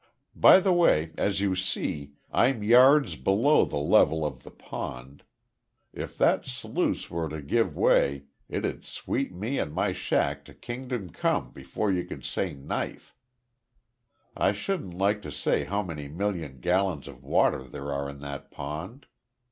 By the way, as you see, I'm yards below the level of the pond. If that sluice were to give way it'd sweep me and my shack to Kingdom Come before you could say knife. I shouldn't like to say how many million gallons of water there are in that pond.